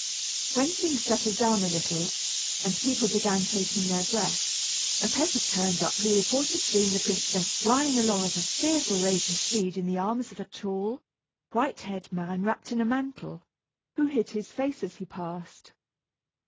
When things settled down a little, and people began taking their breath, a peasant turned up who reported seeing the princess flying along at a fearful rate of speed in the arms of a tall, white haired man wrapped in a mantle, who hid his face as he passed.